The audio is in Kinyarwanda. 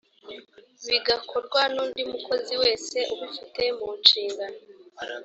bigakorwa n’undi mukozi wese ubifite mu nshingano